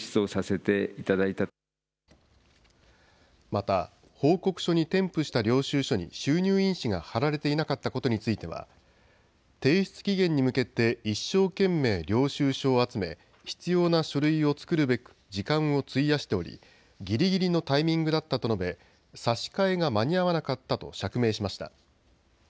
また報告書に添付した領収書に収入印紙が貼られていなかったことについては提出期限に向けて一生懸命領収書を集め必要な書類を作るべく時間を費やしておりぎりぎりのタイミングだったと述べ、差し替えが間に合わなかったと釈明しました。